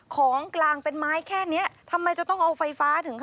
ของกลางเป็นไม้แค่นี้ทำไมจะต้องเอาไฟฟ้าถึงค